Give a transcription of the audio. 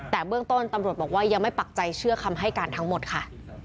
แต่เบื้องต้นตำรวจบอกว่ายังไม่ปักใจเชื่อคำให้การทั้งหมดค่ะ